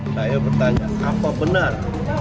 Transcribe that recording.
saya bertanya apa benar